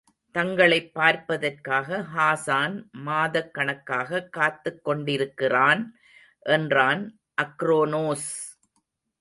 தங்களைப் பார்ப்பதற்காக ஹாசான் மாதக் கணக்காக காத்துக் கொண்டிருக்கிறான் என்றான் அக்ரோனோஸ்.